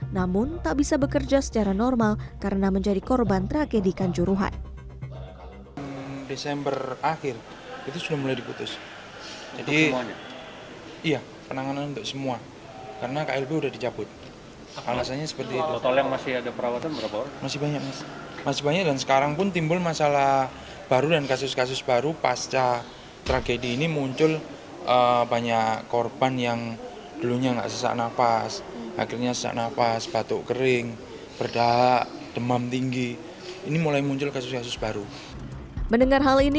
namun tak bisa bekerja secara normal karena menjadi korban tragedikan juruhan